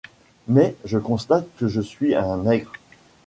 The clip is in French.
Mais je constate que je suis un nègre.